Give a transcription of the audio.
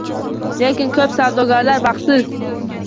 Lekin ko'p savdogarlar baxtsiz